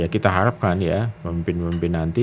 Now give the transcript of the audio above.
kita harapkan ya pemimpin pemimpin nanti